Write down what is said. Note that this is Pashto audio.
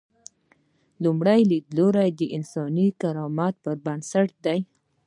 لومړی لیدلوری د انساني کرامت پر بنسټ دی.